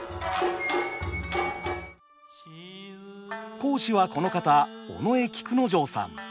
講師はこの方尾上菊之丞さん。